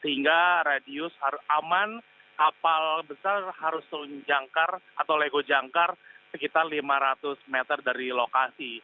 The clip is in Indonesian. sehingga radius aman kapal besar harus turun jangkar atau lego jangkar sekitar lima ratus meter dari lokasi